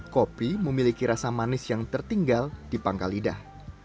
kopi memiliki rasa manis yang tertinggal di pangkal lidah